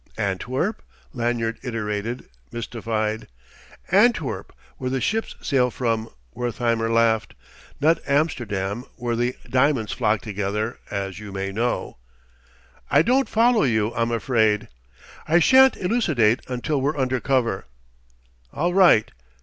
"Antwerp?" Lanyard iterated, mystified. "Antwerp, where the ships sail from," Wertheimer laughed: "not Amsterdam, where the diamonds flock together, as you may know." "I don't follow you, I'm afraid." "I shan't elucidate until we're under cover." "All right.